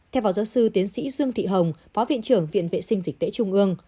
theo phó giáo sư tiến sĩ dương thị hồng phó viện trưởng viện vệ sinh dịch tễ trung ương